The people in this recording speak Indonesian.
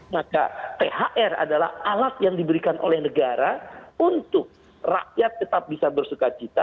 maka thr adalah alat yang diberikan oleh negara untuk rakyat tetap bisa bersuka cita